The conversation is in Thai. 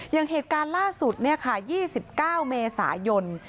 อย่างเหตุการณ์ล่าสุดเนี่ยค่ะ๒๙เมษายน